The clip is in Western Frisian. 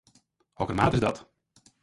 Hokker maat is dat?